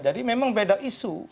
jadi memang beda isu